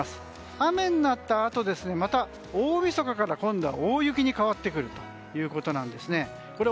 雨になったあと大みそかから今度は大雪に変わってくるということです。